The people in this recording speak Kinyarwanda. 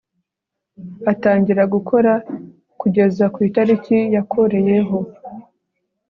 atangira gukora kugeza ku itariki yakoreyeho